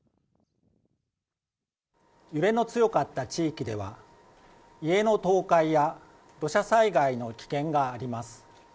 揺れの強かった地域では、家の倒壊や土砂災害の危険があります。